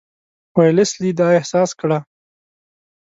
ویلسلي دا احساس کړه.